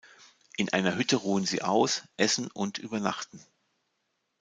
In einer Hütte ruhen sie aus, essen und übernachten.